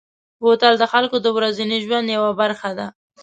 بوتل د خلکو د ورځني ژوند یوه برخه ده.